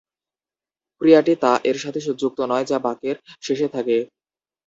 ক্রিয়াটি "তা" এর সাথে যুক্ত নয়, যা বাক্যের শেষে থাকে।